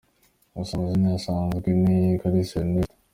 Gusa amazina ye asanzwe ni Kalisa Ernest.